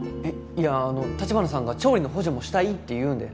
いや城華さんが調理の補助もしたいって言うんで。